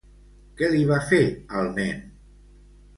Què li va fer al nen?